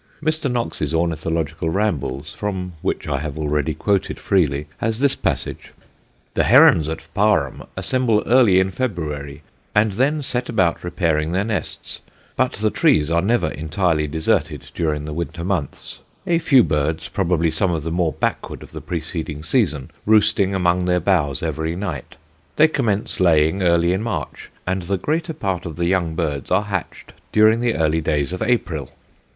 Mr. Knox's Ornithological Rambles, from which I have already quoted freely, has this passage: "The herons at Parham assemble early in February, and then set about repairing their nests, but the trees are never entirely deserted during the winter months; a few birds, probably some of the more backward of the preceding season, roosting among their boughs every night. They commence laying early in March, and the greater part of the young birds are hatched during the early days of April.